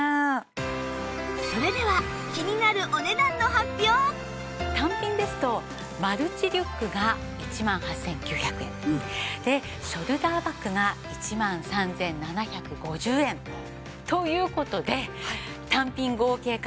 それでは気になる単品ですとマルチリュックが１万８９００円。でショルダーバッグが１万３７５０円。という事で単品合計価格３万２６５０円なんです。